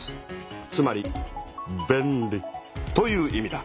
つまり便利という意味だ。